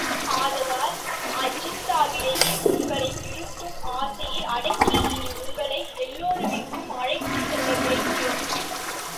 ஆதலால் அஜந்தாவிலேயே உங்களை நிறுத்தும் ஆசையை அடக்கி இனி உங்களை எல்லோராவிற்கு அழைத்துச் செல்ல விரைகிறேன்.